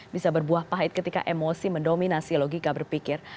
bisa berbuah pahit ketika emosi mendominasi logika berpikir